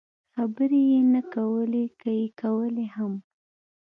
خبرې یې نه کولې، که یې کولای هم.